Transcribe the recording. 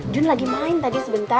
jun lagi main tadi sebentar